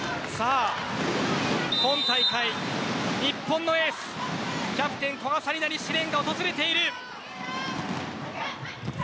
今大会、日本のエースキャプテン古賀紗理那に試練が訪れている。